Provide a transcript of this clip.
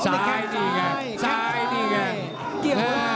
ซ้ายนี่แหละซ้ายนี่แหละ